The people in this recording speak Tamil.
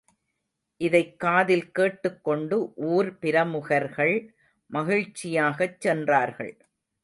இதைக்காதில் கேட்டுக் கொண்டு ஊர்பிரமுகர்கள் மகிழ்ச்சியாகச் சென்றார்கள்.